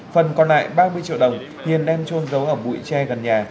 phần còn lại ba mươi triệu đồng hiền đem trôn giấu ở bụi tre gần nhà